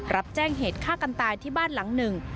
รับแจ้งเหตุฆ่ากันตายที่บ้านหลังหนึ่ง